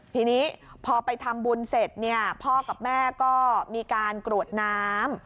ทีนี้พอไปทำบุญเสร็จเนี่ยพ่อกับแม่ก็มีการกรวดน้ำ